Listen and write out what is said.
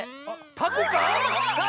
タコか⁉